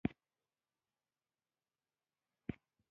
افغانستان کې کلي د چاپېریال د تغیر نښه ده.